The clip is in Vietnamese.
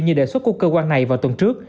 như đề xuất của cơ quan này vào tuần trước